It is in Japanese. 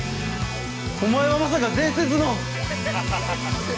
おまえはまさか伝説の。